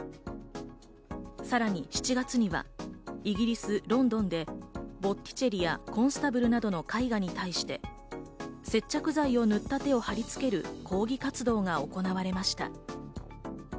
さらに７月には、イギリス・ロンドンでボッティチェリやコンスタブルなどの絵画に対して、接着剤を塗った手を貼り付ける抗議活動が行われました。